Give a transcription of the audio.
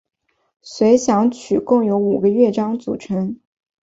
随想曲共有五个乐章组成。